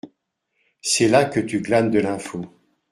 C’est là que tu glanes de l’info.